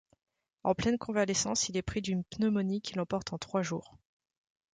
En pleine convalescence, il est pris d'une pneumonie qui l'emporte en trois jours.